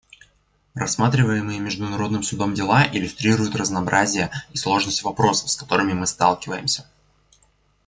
Рассматриваемые Международным Судом дела иллюстрируют разнообразие и сложность вопросов, с которыми мы сталкиваемся.